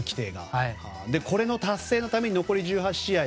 これの達成のために残り１８試合